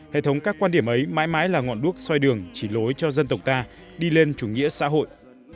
hệ thống các quan điểm ấy mãi mãi là ngọn đuốc xoay đường chỉ lối cho dân tộc ta đi lên chủ nghĩa xã hội